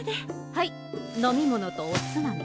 はい飲み物とおつまみ。